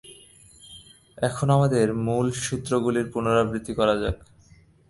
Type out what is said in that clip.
এখন আমাদের মূলসূত্রগুলির পুনরাবৃত্তি করা যাক।